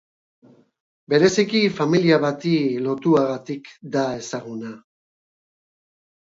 Bereziki familia bati lotuagatik da ezaguna.